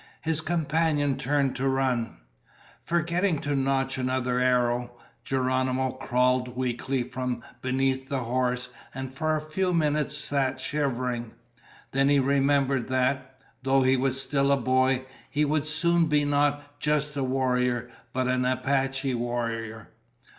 His companion turned to run. Forgetting to nock another arrow, Geronimo crawled weakly from beneath the horse and for a few minutes sat shivering. Then he remembered that, though he was still a boy, he would soon be not just a warrior but an Apache warrior.